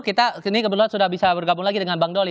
kita sini kebetulan sudah bisa bergabung lagi dengan bang doli